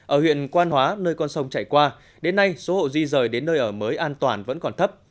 ở huyện quan hóa nơi con sông chạy qua đến nay số hộ di rời đến nơi ở mới an toàn vẫn còn thấp